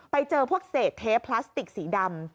ไปเจอพวกเศษเทปพลาสติกสีดำ